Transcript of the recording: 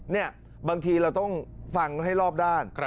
นี่บางทีเราต้องฟังให้รอบด้าน